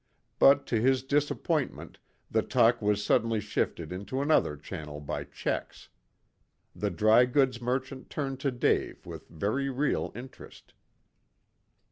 But, to his disappointment, the talk was suddenly shifted into another channel by Checks. The dry goods merchant turned to Dave with very real interest.